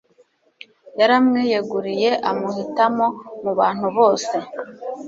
yaramwiyeguriye amuhitamo mu bantu bose